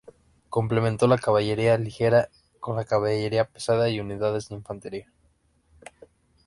Complementó la caballería ligera con la caballería pesada y unidades de infantería.